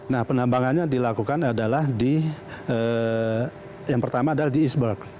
nah penambangannya dilakukan adalah di yang pertama adalah di easberg